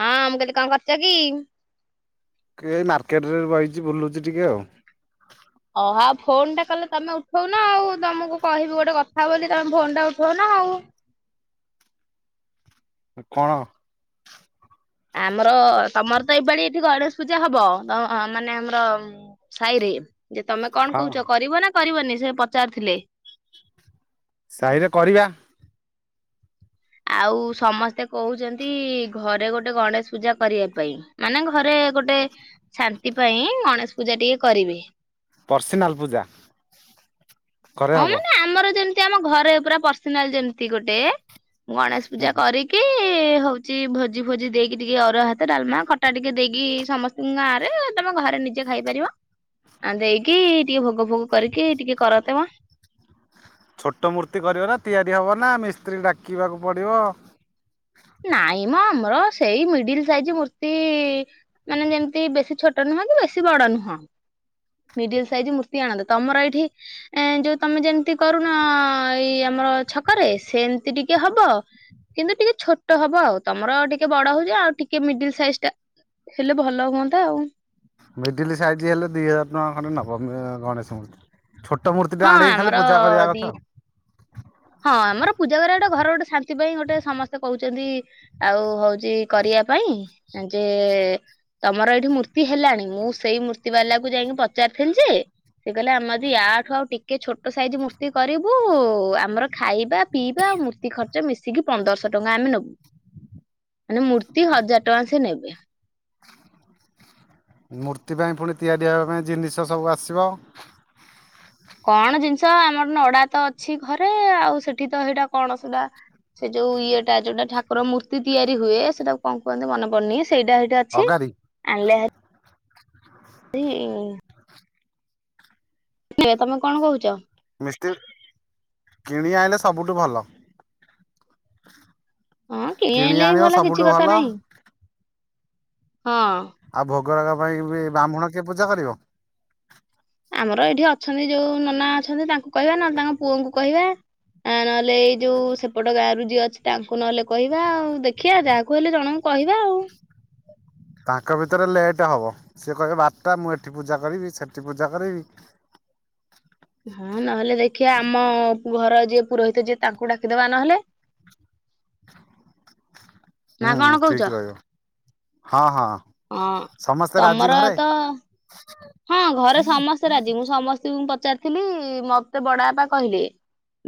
ହଁ ମୁଁ କେତେ କଣ କରିଛ କି? ଏ ମାର୍କେଟ ରେ ବଇଚି ବୁଲୁଛି ଟିକେ ଆଉ। ଓ ହଉ ଫୋନ ଟା କଲେ ତମେ ଉଠଉନ ଆଉ, ତମକୁ କହିବି ଗୋଟେ କଥା ବୋଲି ତମେ ଫୋନ ଟା ଉଠଉନ। ଆଉ। [inaudible] କଣ? ଆମର ତମର ତ ଏଇପାଳି ଏଠି ଗଣେଶ ପୂଜା ହବ ଅଁ - ମାନେ ଆମର ସାଇରେ ଯେ ତମେ କଣ ହଁ କହୁଛ କରିବ ନା କରିବନି ସେ ପଚାରୁଥିଲେ? ସାହିରେ କରିବା। ଆଉ ସମସ୍ତେ କହୁଛନ୍ତି, ଘରେ ଗୋଟେ ଗଣେଶ ପୂଜା କରିବା ପାଇଁ, ମାନେ ଘରେ ଗୋଟେ ଶାନ୍ତି ପାଇଁ ଗଣେଶ ପୂଜା ଟିକେ କରିବେ। ପର୍ସନାଲ ପୂଜା। ଘରେ ହଁ ହବ। ମାନେ ହୁଁ ଆମର ଯେମିତି ଆମ ଘରେ ପୁରା ପର୍ସନାଲ ଯେମିତି ଗୋଟେ ମୁଁ ଗଣେଶ ପୂଜା ହୁଁ କରିକି ହଉଛି ଭୋଜି ଫୋଜି ଦେଇକି ଟିକେ ଅରୁଆ ଭାତ, ଡ଼ାଲମା, ଖଟା ଟିକେ ଦେଇକି ସମସ୍ତଙ୍କୁ ଗାଁରେ ଘରେ ନିଜେ ଖାଇପାରିବ ଆ ଦେଇକି ଟିକେ ଭୋଗ ଭୋଗ କରିକି ଟିକେ କର ଛୋଟ ମୂର୍ତ୍ତି କରିବାର ତିଆରି ହବ ନା ମିସ୍ତ୍ରୀ ଡାକିବାକୁ ପଡ଼ିବ? ନାଇଁ ମ ଆମର ସେଇ ମିଡିଲ ସାଇଜ ମୂର୍ତ୍ତି ମାନେ ଯେମିତି ବେଶୀ ଛୋଟ ନ କି ବେଶୀ ବଡ଼ ନୁହଁ। ମିଡିଲ ସାଇଜ ମୂର୍ତ୍ତି ଆଣନ୍ତି ତମର ଏଇଠି ଏ ଯୋଉ ତମେ ଯେମିତି କରୁନ ଏଇ ଆମର ଛକ ରେ ସେ ଏମିତି ଟିକେ ହବ କିନ୍ତୁ ଟିକେ ଛୋଟ ହବ ଆଉ ତମର ଟିକେ ବଡ଼ ହଉଛି, ଆଉ ଟିକେ ମିଡିଲ ସାଇଜ ଟା ହେଲେ ଭଲ ହୁଅନ୍ତା ଆଉ। ମିଡିଲ ସାଇଜ ହେଲେ ଦି ହଜାର ଟଙ୍କା ଖଣ୍ଡେ ନବ ଗଣେଶ ମୂର୍ତ୍ତି। ଛୋଟ ମୂର୍ତ୍ତି ଟା ହଁ ଆଣିକି ଆମର ଖାଲି ପୂଜା କରିବା ଦି କଥା ଆଉ। ହଁ ଆମର ପୂଜା କରିବା ଗଟେ ଘର ଗୋଟେ ଶାନ୍ତି ପାଇଁ, ଗୋଟେ ସମସ୍ତେ କହୁଛନ୍ତି, ଆଉ ହଉଛି କରିବା ପାଇଁ ଯେ ତମର ଏଇଠି ମୂର୍ତ୍ତି ହେଲାଣି। ମୁଁ ସେଇ ମୂର୍ତ୍ତି ବାଲାକୁ ଯାଇକି ପଚାରିଥିଲି ଯେ ସେ କହିଲେ ଆମେ ଆଜି ୟାଠୁ ଆଉ ଟିକେ ଛୋଟ ସାଇଜ ମୂର୍ତ୍ତି କରିବୁ ଆମର ଖାଇବା ପିଇବା ଆଉ ମୂର୍ତ୍ତି ଖର୍ଚ୍ଚ ମିଶିକି ପନ୍ଦରଶହ ଟଙ୍କା ଆମେ ନବୁ ମାନେ ମୂର୍ତ୍ତି ହଜାର ଟଙ୍କା ସେ ନେବେ। ମୂର୍ତ୍ତି ପାଇଁ ପୁଣି ତିଆରି ହେବା ପାଇଁ ଜିନିଷ ସବୁ ଆସିବ। କଣ ଜିନିଷ ଆମର ନଡ଼ା ତ ଅଛି ଘରେ ଆଉ ସେଠି ତ ସେଇଟା କଣ ସେଟା ସେ ଯୋଉ ଇଏଟା ଯୋଉଟା ଠାକୁର ମୂର୍ତ୍ତି ତିଆରି ହୁଏ ସେଟା କଣ କୁହନ୍ତି ମନେପଡୁନି ସେଇଟା ସେଇଠି ଅଛି ଅଗାରି ଆଣିଲେ ତମେ କଣ କହୁଛ? ମିଷ୍ କିଣି ଆଣିଲେ ସବୁଠୁ ଭଲ। ହଁ କି କିଣି ଆଣିଲେ ବି ଆଣିବ ଭଲ କିଛି ସବୁଠୁ କଥା ନାହିଁ ହଁ। ଆଉ ଭୋଗରାଗ ପାଇଁ ବି ବ୍ରାହ୍ମଣ କିଏ ପୂଜା କରିବ? ଆମର ଏଠି ଅଛନ୍ତି ଯୋଉ ନନା ଅଛନ୍ତି ତାଙ୍କୁ କହିବା ନେଲେ ତାଙ୍କ ପୁଅଙ୍କୁ କହିବା। ଆ ନହେଲେ ଏଇ ଯୋଉ ସେପଟ ଗାଁରୁ ଯିଅ ଅଛି ତାଙ୍କୁ ନହେଲେ କହିବା ଆଉ ଦେଖିବା ଯାହାକୁ ହେଲେ ଜଣଙ୍କୁ କହିବା ଆଉ। [inaudible] ତାଙ୍କ ଭିତରେ ଲେଟ୍ ହବ ସିଏ କହିବେ ବାରଟା ମୁଁ ଏଠି ପୂଜା କରିବି ସେଠି ପୂଜା କରିବି [inaudible] ହଁ ନହେଲେ ଦେଖିବା ଆମ ଘର ଯିଏ ପୁରୋହିତ ଯିଏ ତାଙ୍କୁ ଡାକିଦବା ନହେଲେ [inaudible] ନା ହୁଁ କଣ କହୁଛ? ଠିକ ରହିବ। ହଁ ହଁ ସମସ୍ତେ ରାଜି ତମର ଘରେ ତ ହଁ ଘରେ ସମସ୍ତେ ରାଜି ମୁଁ ସମସ୍ତଙ୍କୁ ପଚାରିଥିଲି ମତେ ବଡ଼ ବାପା କହିଲେ।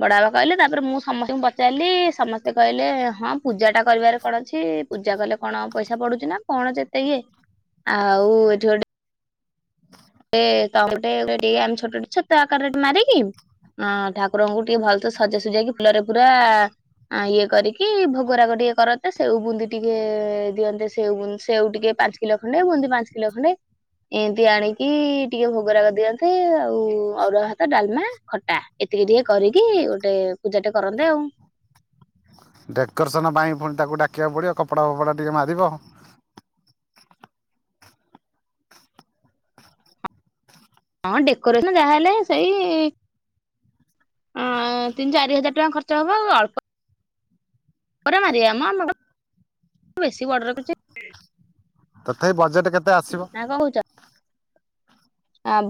ବଡ଼ବାବା କହିଲେ ତାପରେ ମୁଁ ସମସ୍ତଙ୍କୁ ପଚାରିଲି ସମସ୍ତେ କହିଲେ ହଁ ପୂଜାଟା କରିବାରେ କଣ ଅଛି। ପୂଜା କଲେ କଣ ପଇସା ପଡୁଛି ନା କଣ ଯେ ଏତେ ଇ ଏ ଏଠି ଗୋଟେ ସେ ତ ଗୋଟେ ଟେ ଆମେ ଛୋଟ ଛତା ଆକାରରେ ମାରିକି ହଁ ଠାକୁରଙ୍କୁ ଟିକେ ଭଲ ସେ ସଜା ସଜେଇକି ଫୁଲରେ ପୁରା ଆ ଇଏ କରିକି ଭୋଗରାାଗ ଟିକେ କରନ୍ତେ ସେଉ ବୁନ୍ଦି ଟିକେ ଦିଅନ୍ତେ ସେଉ ସେଉ ଟିକେ ପାଞ୍ଚ କିଲୋ ଖଣ୍ଡେ ବୁନ୍ତି ପାଞ୍ଚ କିଲୋ ଖଣ୍ଡେ ଏମିତି ଆଣିିକି କି ଟିକେ ଭୋଗରା କରିଦିଅନ୍ତି ଆଉ ଅଉର ହାତ ଡାଲମା ଖଟା ଏତିକି ଟିକେ କରିକି ଗୋଟେ ପୂଜାଟେ କରନ୍ତେ ଆଉ [inaudible] ଡେକୋରେସନ ପାଇଁ ପୁଣି ତାକୁ ଡାକିବାକୁ ପଡିବ କପଡା ଫପଡା ଟିକେ ମାରିବ ହଁ ଡେକୋରେସନ ଯାହାହେଲେ ସେଇ ଅ ତିନି ଚାରି ହଜାର ଟଙ୍କା ଖର୍ଚ୍ଚ ହବ ଆଉ ଅଳ୍ପ ପରେ ମାରିବା ମୁ ଆମ ବେଶୀବଡ଼ ରଖୁଛି। ତଥାପି ବଜେଟ କେତେ ଆସିବ।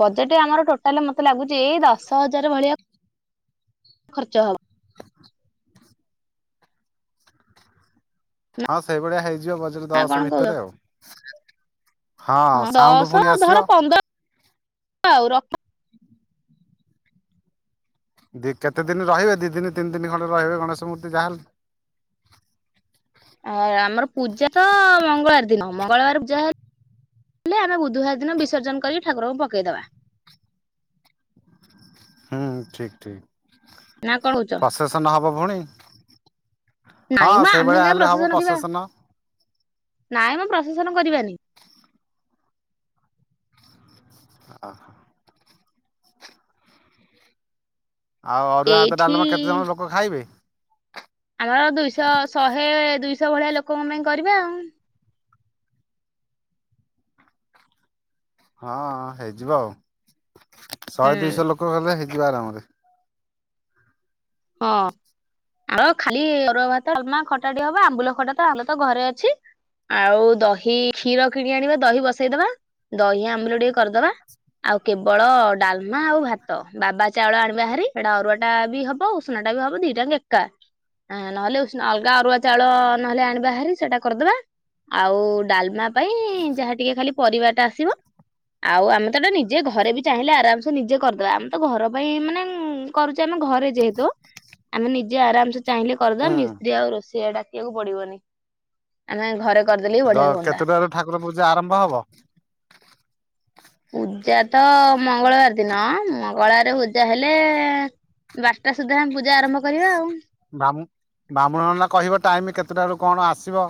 ବଜେଟ ଆମର ଟୋଟାଲ ମତେ ଲାଗୁଛି ଏଇ ଦଶ ହଜାର ଭଳିଆ। ଖର୍ଚ୍ଚ ହବ। ହଁ ସେଇଭଳିଆ ହେଇଯିବ ବଜାର ନା କଣ ଦଅଶ କହୁଛ ଭିତରେ ଆଉ। ହଁ ସାଉଣ୍ଡ ଦଶ ପୁଣି ଆସିବ ଧର ପନ୍ଦର ଆଉ ରଖ। ଦି କେତେ ଦିନ ରହିବେ ଦି ଦିନ ତିନି ଦିନ ଖଣ୍ଡେ ରହିବେ ଗଣେଶ ମୂର୍ତ୍ତି ଯାହାହେଲେ। ଆ ଆମର ପୂଜା ତ ମଙ୍ଗଳବାର ଦିନ ମଙ୍ଗଳବାର ପୂଜା ହେଲେ ହେଲେ ଆମେ ବୁଧବାର ଦିନ ବିସର୍ଜନ କରି ଠାକୁରଙ୍କୁ ପକେଇଦେବା। [inaudible] ହୁଁ ଠିକ ନା ଠିକ କଣ କହୁଛ? ପ୍ରସେସ ନ ହବ ଭଉଣୀ? ହଁ ନାଇଁ ମ ଆମେ ସେଇଭଳିଆ କାହିଁ ଏଲେ ପ୍ରଶେସନ ହବ କରିବା ପ୍ରସେସନ। ନାଇଁ ମୁ ପ୍ରଶାସନ କରିବାନି। ଓୋହ ଆଉ ଅରୁଆ ହାତ ଏଇଠି ଡାଲ୍ମା କେତେ ଜଣ ଲୋକ ଖାଇବେ? ଆମର ଦୁଇଶହ ଶହେ ଦୁଇଶହ ଭଳିଆ ଲୋକଙ୍କ ପାଇଁ କରିବା ଆଉ। ହଁ ହେଇଯିବ ଆଉ ଶହେ ହୁଁ ଦୁଇଶହ ଲୋକ ହେଲେ ହେଇ ଯି। ବା ଆରାମରେ ହଁ। ଆଉ ଖାଲି ଭାତ ଖଟାଟି ହବ ଆମ୍ବୁଲ ଖଟା ତ ଆମ ତ ଘରେ ଅଛି। ଆଉ ଦହି କ୍ଷୀର କିଣି ଆଣିବା, ଦହି ବସେଇଦବା, ଦହି ଆମ୍ବୁଲ ଟିକେ କରିଦବା। ଆଉ କେବଳ ଡାଲମା ଆଉ ଭାତ, ବାବା ଚାଉଳ ଆଣିବା ଭାରି ସେଟା ଅରୁଆ ଟା ବି ହବ ଉ ନା ଟା ବି ହବ ଦିଟାଙ୍ଗ ଏକା। ହ ନହେଲେ ଉସ ଅଲଗା ଅରୁଆ ଚାଉଳ ନହେଲେ ଆଣିବା ଭାରି ସେଇଟା କରିଦବା। ଆଉ ଡାଲମା ପାଇଁ ଯାହା ଟିକେ ଖାଲି ପରିବା ଟା ଆସିବ। ଆଉ ଆମେ ତ ଏଟା ନିଜେ ଘରେ ବି ଚାହିଁଲେ ଆରାମସେ ନିଜେ କରିଦବା ଆମ ତ ଘର ପାଇଁ ମାନେ କରୁଛେନା। ଘରେ ଯେହେତୁ ଆମେ ନିଜେ ଆରାମସେ ଚାହିଁଲେ କରିଦବା, ହୁଁ ମିସ୍ତ୍ରୀ ଆଉ ରୋଷେଇଆ ଡାକିବାକୁ ପଡିବନି। ଆମେ ଘର କେତେଟାରୁ ଠାକୁର ପୂଜା ଆରମ୍ଭ ହବ? ପୂଜା ତ ମଙ୍ଗଳବାର ଦିନ, ମଙ୍ଗଳବାର ପୂଜା ହେଲେ ବାରଟା ସୁଦ୍ଧା ଆମେ ପୂଜା ଆରମ୍ଭ କରିବା ଆଉ। ବାମ- ବାମ୍ହୁଣ୍ ଏଇନା କହିବ ଟାଇମ କେତେଟାରୁ କଣ ଆସିବ।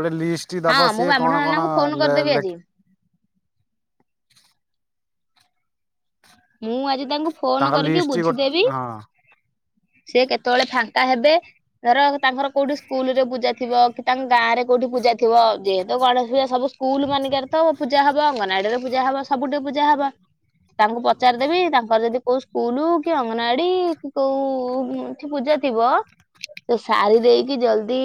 ଗୋଟେ ଲିଷ୍ଟ ହଁ ଦବ ମୁଁ ସିଏ ବ୍ରାହ୍ମଣ କଣ କଣ ନାନାଙ୍କୁ ଫୋନ କରିଦେବି ଲେ ଆଜି। ମୁଁ ଆଜି ତାଙ୍କୁ ଫୋନ ତାଙ୍କ କରିକି ଲିଷ୍ଟ ଗୋ ବୁଝିଦେବି। ହଁ ସେ କେତେବେଳେ ଫାଙ୍କା ହେବେ, ଧର ତାଙ୍କର କୋଉଠି ସ୍କୁଲ ରେ ପୂଜା ଥିବ କି ତାଙ୍କ ଗାଁରେ କୋଉଠି ପୂଜା ଥିବ ଯେହେତୁ ଗଣେଶ ପୂଜା ସବୁ ସ୍କୁଲ ମାନିକରେ ତ ପୂଜା ହବ, ଅଙ୍ଗନବାଡିରେ ପୂଜା ହବ, ସବୁଠି ପୂଜା ହବ ତାଙ୍କୁ ପ ପଚାରିଦବି ତାଙ୍କର ଯଦି କୋଉ ସ୍କୁଲ କି ଅଙ୍ଗନ ଆଡି କୋଉ ଏଠି ପୂଜା ଥିବ ତ ସାରି ଦେଇକି ଜଲଦି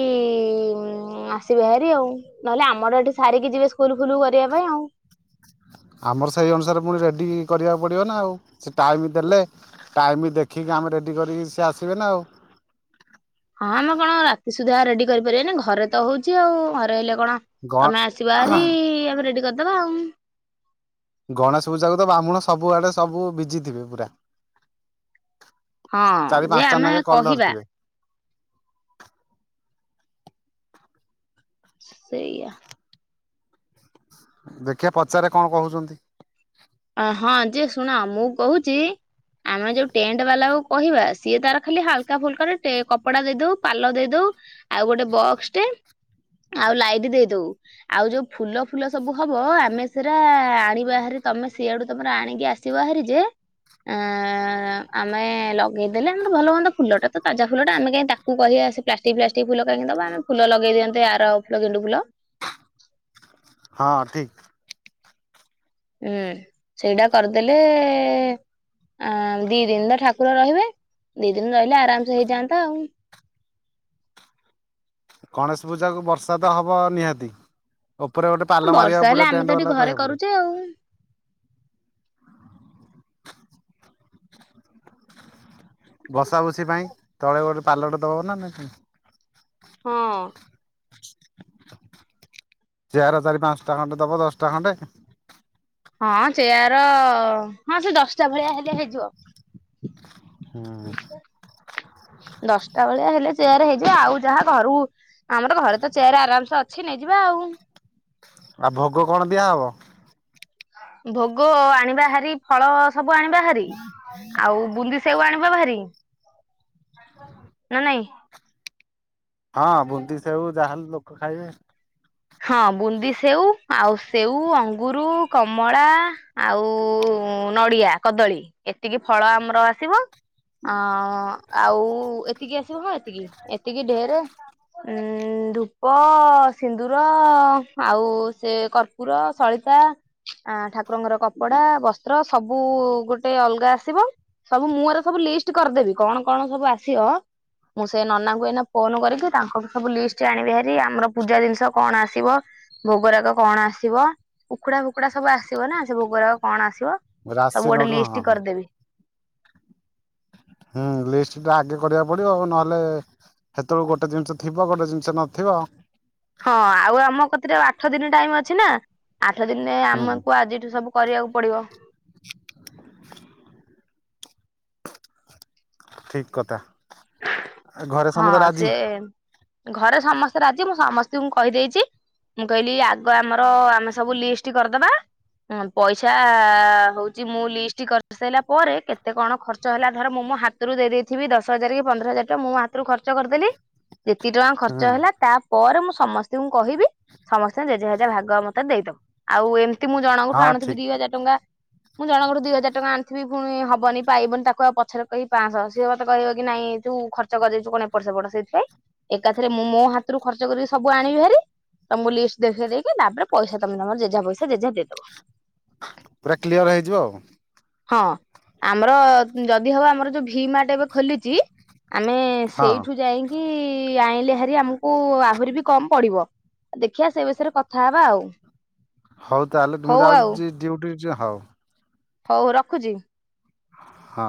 ଆସିବେ ଭାରି ଆଉ ନହେଲେ ଆମର ଏଠି ସାରି ଯିବେ ସ୍କୁଲ ଫୁଲ କରିବା ପାଇଁ ଆଉ। [inaudible] ଆମର ସେଇ ଅନୁସାରେ ପୁଣି ରେଡି କରିବାକୁ ପଡିବ ନା ଆଉ ସେ ଟାଇମ ଦେଲେ ଟାଇମ ଦେଖିକି ଆମେ ରେଡି କରିକି ସେ ଆସିବେ ନା ଆଉ। ହଁ ଆମେ କଣ ରାତି ସୁଦ୍ଧା ରେଡି କରିପାରିବାନି, ଘରେ ତ ହଉଛି ଆଉ ଘରେ ହେଲେ କଣ ଗ ତମେ ଆସିବ ହାରି ଆମେ ରେଡି କରିଦବା ଆଉ। ଗଣେଶ ପୂଜାକୁ ତ ବାମ୍ହୁଣ ସବୁ ଆଡେ ସବୁ ବିଜି ଥିବେ ପୁରା। ହଁ ଚାରି ଯେ ପାଞ୍ଚଟା ଆମେ ନାଗେ କଲ କହିବା ଧରିଥିବେ। ସେଇଆ। ଦେଖିବା ପଚାରେ କଣ କହୁଛନ୍ତି। ହଁ ଯେ ଶୁଣ ମୁଁ କହୁଛି ଆମେ ଯୋଉ ଟେଣ୍ଟ ବାଲା କୁ କହିବା ସିଏ ତାର ଖାଲି ହାଲକା ଫୁଲକା ର ଟେ କପଡା ଦେଇ ଦଉ ପାଲ ଦେଇ ଦଉ। ଆଉ ଗୋଟେ ବକ୍ସ ଟେ। ଆଉ ଲାଇଟ୍ ଦେଇଦଉ, ଆଉ ଯୋଉ ଫୁଲ ଫୁଲ ସବୁ ହବ ଆମେ ସେଟା ଆଣିବାହେରି ତମେ ସିଏଆଡୁ ତମର ଆଣିକି ଆସିବ ହାରି ଯେ ଅ ଆମେ ଲଗେଇଦେଲେ ଆମର ଭଲ ମନ୍ଦ ଫୁଲଟା ତ ତାଜା ଫୁଲ ଟା ଆମେ କାଇଁ ତାକୁ କହିବା ପ୍ଲାଷ୍ଟିକ ଫ୍ଲାଷ୍ଟିକ ଫୁଲ କାହିଁକି ଦବା, ଆମେ ଫୁଲ ଲଗେଇ ଦିଅନ୍ତେ ଆର ଫୁଲ ଗେଣ୍ଡୁ ଫୁଲ। ହଁ ଠିକ। ହୁଁ ସେଇଟା କରିଦେଲେ ଅ ଦି ଦିନ ତ ଠାକୁର ରହିବେ। ଦି ଦିନ ରହିଲେ ଆରାମସେ ହେଇଯାଆନ୍ତା ଆଉ। ଗଣେଶ ପୂଜା କୁ ବର୍ଷା ତ ହବ ନିହାତି। ଉପରେ ଗୋଟେ ପାଲ ବର୍ଷା ମାରିବାକୁ ହେଲେ ପଡିବ ଆମେ ତ ଟେଣ୍ଟ ଏଠି ବାଲା କୁ ଘରେ କହିବାକୁ ପଡିବ। କରୁଛେ ଆଉ। ହ [inaudible] ବସା ବସି ପାଇଁ ତଳେ ଗୋଟେ ପାଲଟ ଦବ ନା ନାହିଁ ପୁଣି। ହଁ। ଚେୟାର ଚାରି ପାଞ୍ଚଟା ଖଣ୍ଡେ ଦବ ଦଶଟା ଖଣ୍ଡେ। ହଁ ଚେୟାର ହଁ ସେ ଦଶଟା ଭଳିଆ ହେଲେ ହେଇଯିବ। ହୁଁ। ଦଶଟା ଭେଳିଆ ହେଲେ ଚେୟାର ହେଇଯିବ ଆଉ ଯାହା ଘରୁ ଆମର ଘରେ ତ ଚେୟାର ଆରାମସେ ଅଛି ନେ ହେ ଯିବା ଆଉ। ଆଉ ଭୋଗ କଣ ଦିଆହବ? ଭୋଗ ଆଣିବା ହାରି ଫଳ ସବୁ ଆଣିବା ହାରି। ଆଉ ବୁନ୍ଦି ସେଓ ଆଣିବା ହାରି ନା ନାଇଁ। ହଁ ବୁନ୍ଦୀ ସେଓ ଯାହାହେଲେ ଲୋକ ଖାଇବେ। ହଁ ବୁନ୍ଦି ସେଉ ଆଉ ସେଉ ଅଙ୍ଗରୁ କମଳା ଆଉ ନଡିଆ କଦଳୀ ଏତିକି ଫଳ ଆମର ଆସିବ। ହଁ ଆଉ ଏତିକି ଆସିବ ହଁ ଏତିକି ଏତିକି ଢେରେ। ଉଁ ଧୂପ ସି ଦୁର ଆଉ ସେ କର୍ପୁର ସଳିତା ଠାକୁରଙ୍କର କପଡା। ବସ୍ତ୍ର ସବୁ ଗୋଟେ ଅଲଗା ଆସିବ। ସବୁ ମୁଁ ଏର ସବୁ ଲିଷ୍ଟ କରିଦେବି କଣ କଣ ସବୁ ଆସିବ। ମୁଁ ସେ ନନାଙ୍କୁ ଏନା ଫୋନ କରିକି ତାଙ୍କ ଠୁ ସବୁ ଲିଷ୍ଟ ଆଣିବି ହାରି ଆମର ପୂଜା ଜିନିଷ କଣ ଆସିବ ଭୋଗରାଗ କଣ ଆସିବ? କୁକୁଡା ଫୁକୁଡା ସବୁ ଆସିବ ନା ସେ ଭୋଗର କଣ ଆସିବ ରାଶି ସବୁ ଗୋଟେ ନଡୁ ହଁ ଲିଷ୍ଟ ହଁ କରିଦେବି। ହୁଁ ଲିଷ୍ଟ ଟା ଆଗେ କରିବାକୁ ପଡିବ ଆଉ ନହେଲେ ସେତେବେଳୁ ଗୋଟେ ଜିନିଷ ଥିବ ଗୋଟେ ଜିନିଷ ନଥିବ। ହଁ ଆଉ ଆମ କତିରେ ଆଠ ଦିନ ଟାଇମ ଅଛି ନା। ଆଠ ଦିନରେ ହୁଁ ଆମକୁ ଆଜିଠୁ ସବୁ କରିବାକୁ ପଡିବ। [inaudible] ଠିକ କଥା। ଘରେ ହଁ ସମସ୍ତେ ରାଜି ସେ ଘରେ ସମସ୍ତେ ରାଜି ମୁଁ ସମସ୍ତଙ୍କୁ କହିଦେଇ ମୁଁ କହିଲି ଆଗ ଆମର ଆମେ ସବୁ ଲିଷ୍ଟ କରିଦ ପଇସା ହଉଛି ମୁଁ ଲିଷ୍ଟ କରିସାରିଲା ପରେ କେତେ କଣ ଖର୍ଚ୍ଚ ହେଲା ଧର ମୁଁ ମୁ ହାତରୁ ଦେଇେଇଥିବି ଦଶ ହଜାର କି ପନ୍ଦର ହଜାର ଟଙ୍କା ମୁଁ ହାତରୁ ଖର୍ଚ୍ଚ କରିଦେଲି ଯେତି ଟଙ୍କା ହୁଁ ଖର୍ଚ୍ଚ ହେଲା ତା ପରେରେ ମୁଁ ସମସ୍ତଙ୍କୁ କହିବି। ସମସ୍ତେ ଜେଝାଯେଝା ଭାଗ ମତେ ଦେଇଦବ ଆଉ ଏମିତି ମୁଁ ଜଣଙ୍କଠୁ ହଁ ଆଣୁଥିବି ଠିକ ଦି ହଜାର ଟଙ୍କା ମୁଁ ଜଣଙ୍କରୁ ଦିଇ ହଜାର ଟଙ୍କା ଆଣିଥିବି ପୁଣି ହବନି ପାଇବନି ତାକୁ ଆଉ ପଛରେ କ କହିି ପାଞ୍ଚଶହ ସିଏ ମତେ କହିବ କି ନାଇଁ ଯୋଉ ଘ ଖର୍ଚ୍ଚ କରିଦେଇଛୁ କଣ ଏପଟ ସେପଟ ସେଇଥିଇଁ ଏକାଥରେ ମୁଁ ମୋ ହାତରୁ ଖର୍ଚ୍ଚିକି ସବୁ ଆଣିବି ଭାରି ତମକୁ ଲିଷ୍ଟ ଦେଖେଇ ଦେଇେଇକି ତାପରେ ପଇସା ତମେ ତମର ଜେଝା ପଇସା ଜେଝା ଦେଇଦବ। ପୁରା କ୍ଲିୟର ହେଇଯିବ ଆଉ। ହଁ ଆମର ଯଦି ହବ ଆମର ଯୋଉ ଭି ମାର୍ଟ ଏବେ ଖୋଲିଚି ଆମେ ହଁ ସେଇଠୁ ଯାଇକି ଆଣିଲେ ହାରି ଆମକୁ ଆହୁରି ବି କମ ପଡ଼ିବ। ଦେଖିବା ସେ ବିଷୟରେ କଥା ହେବା ଆଉ। ହଉ ତାହେଲେ ମୁଁ ହଉ ଯାଉଚି ଡିୟୁଟି ହୋଉ। ହୋଉ ରଖୁଚି। ହଁ।